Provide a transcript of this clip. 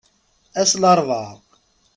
Ass n larebɛa.